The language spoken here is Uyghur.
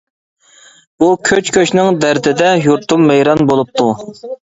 بۇ كۆچ-كۆچنىڭ دەردىدە، يۇرتۇم ۋەيران بولۇپتۇ.